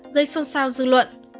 gây xôn xao dư luận